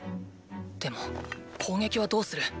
でも攻撃はどうする？